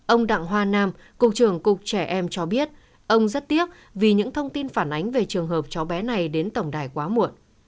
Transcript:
ông đặng hoa nam cục trưởng cục trẻ em cho biết ông rất tiếc vì những thông tin phản ánh về trường hợp cháu bé này đến tổng đài quá muộn